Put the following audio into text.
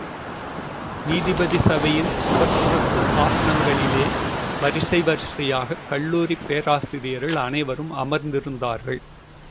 நீதிபதி சபையின், சுவர்ப்புறத்து ஆசனங்களிலே வரிசை வரிசையாகக் கல்லூரிப் பேராசிரியர்கள் அனைவரும் அமர்ந்திருந்தார்கள்.